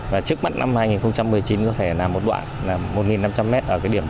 và trước mắt năm hai nghìn một mươi chín có thể là một đoạn là một năm trăm linh m ở cái điểm